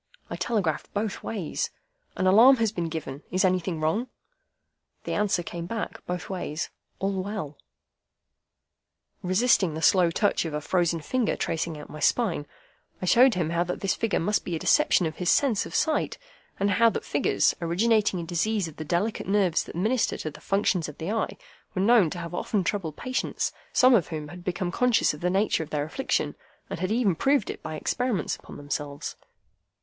I telegraphed both ways, 'An alarm has been given. Is anything wrong?' The answer came back, both ways, 'All well.'" Resisting the slow touch of a frozen finger tracing out my spine, I showed him how that this figure must be a deception of his sense of sight; and how that figures, originating in disease of the delicate nerves that minister to the functions of the eye, were known to have often troubled patients, some of whom had become conscious of the nature of their affliction, and had even proved it by experiments upon themselves.